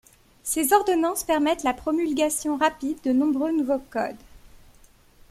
Ces ordonnances permettent la promulgation rapide de nombreux nouveaux codes.